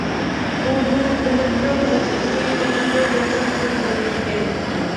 بۇمۇ بىلىمنىڭ زاكىتىنى بېرىشنىڭ ياخشى بىر يولى ئىكەن.